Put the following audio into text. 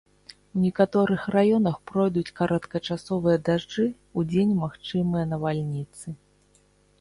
У некаторых раёнах пройдуць кароткачасовыя дажджы, удзень магчымыя навальніцы.